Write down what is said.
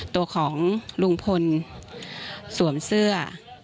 ตัวของลุงพลสวมเสื้อ